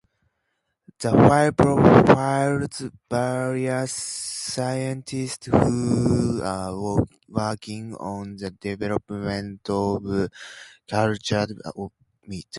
The film profiles various scientists who are working on the development of cultured meat.